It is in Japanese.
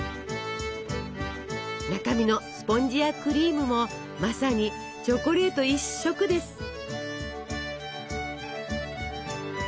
中身のスポンジやクリームもまさにチョコレート一色です。